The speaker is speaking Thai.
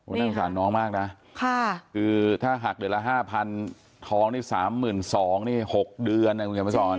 นี่ค่ะค่ะคือถ้าหักเดือนละ๕๐๐๐ท้องนี่๓๒๐๐๐นี่๖เดือนนะคุณเงียบมาสอน